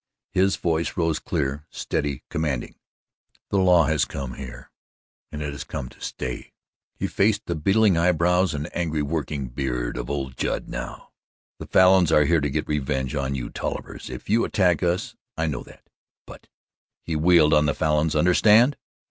His voice rose clear, steady, commanding: "The law has come here and it has come to stay." He faced the beetling eyebrows and angrily working beard of old Judd now: [Illustration: "We'll fight you both!", 0370] "The Falins are here to get revenge on you Tollivers, if you attack us. I know that. But" he wheeled on the Falins "understand!